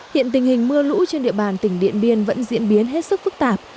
hiện tình hình mưa lũ trên địa bàn tỉnh điện biên vẫn diễn biến hết sức phức tạp